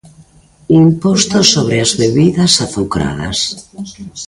Imposto sobre as bebidas azucradas.